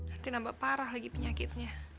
nanti nambah parah lagi penyakitnya